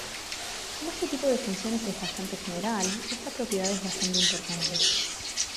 Como este tipo de funciones es bastante general, esta propiedad es bastante importante.